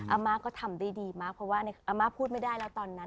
อาม่าก็ทำได้ดีมากเพราะว่าอาม่าพูดไม่ได้แล้วตอนนั้น